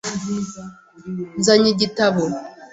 Nzanye igitabo .